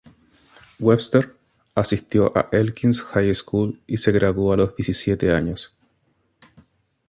Webster asistió a Elkins High School y se graduó a los diecisiete años.